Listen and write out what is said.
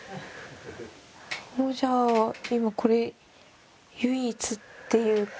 もうじゃあ今これ唯一っていうか。